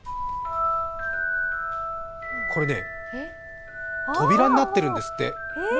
これ扉になってるんですって。